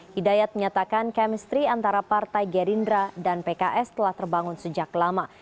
hidayat menyatakan chemistry antara partai gerindra dan pks telah terbangun sejak lama